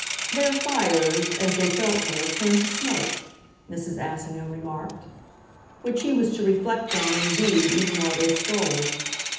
"Their fires, as they felt her, turned to smoke," Mrs. Assingham remarked; which he was to reflect on indeed even while they strolled.